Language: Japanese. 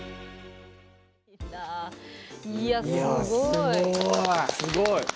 すごい。